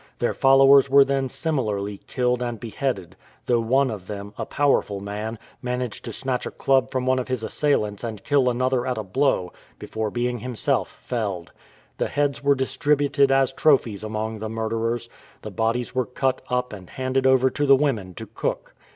Their followers were then similarly killed and beheaded, though one of them, a powerful man, managed to snatch a club from one of his assailants and kill another at a blow before being himself felled. The heads were distributed as trophies among the murderers. The bodies were cut up and handed over to the women to cook.